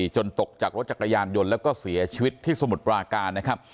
ตกจากรถจักรยานยนต์แล้วก็เสียชีวิตที่สมุทรปราการนะครับ